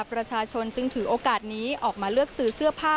ประชาชนจึงถือโอกาสนี้ออกมาเลือกซื้อเสื้อผ้า